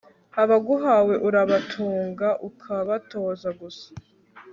abaguhawe urabatunga ukabatoza gusa